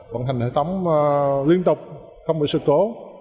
vận hành hệ thống liên tục không bị sự cố